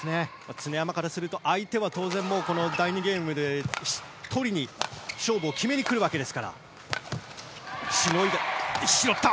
常山からすると相手は第２ゲームに勝負を決めに来るわけです。